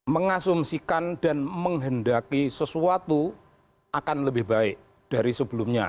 mengasumsikan dan menghendaki sesuatu akan lebih baik dari sebelumnya